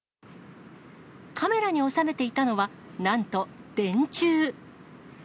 カメラに収めていたのはなんと電柱。